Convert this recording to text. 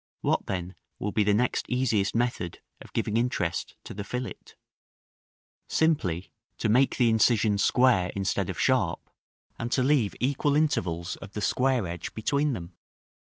What, then, will be the next easiest method of giving interest to the fillet? [Illustration: Fig. LVIII.] § XIII. Simply to make the incisions square instead of sharp, and to leave equal intervals of the square edge between them.